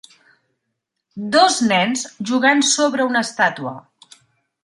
Dos nens jugant sobre una estàtua